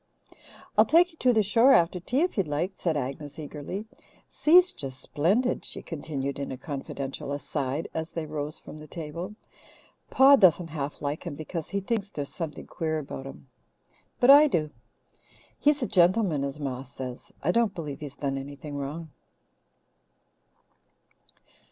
"I'll take you to the shore after tea if you'd like," said Agnes eagerly. "Si's just splendid," she continued in a confidential aside as they rose from the table. "Pa doesn't half like him because he thinks there's something queer about him. But I do. He's a gentleman, as Ma says. I don't believe he's done anything wrong."